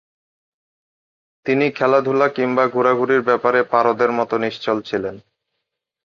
তিনি খেলাধুলা কিংবাা ঘুরাঘুরির ব্যাপারে পারদের মত নিশ্চল ছিলেন ।